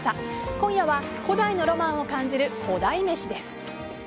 今夜は古代のロマンを感じる古代めしです。